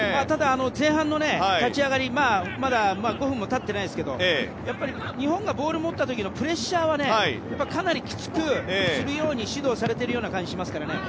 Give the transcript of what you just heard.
ただ、前半の立ち上がりまだ５分も経ってないですが日本がボールを持った時のプレッシャーはかなりきつくするように指導されている感じですから。